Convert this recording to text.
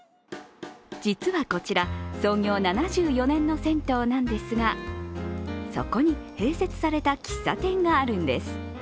実はこちら、創業７４年の銭湯なんですがそこに併設された喫茶店があるんです。